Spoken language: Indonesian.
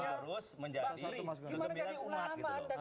harus menjadi kegembiraan umat